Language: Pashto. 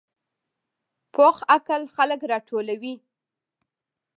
پوخ عقل خلک راټولوي